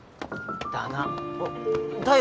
だな。